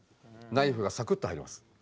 ナイフがサクッと入ります。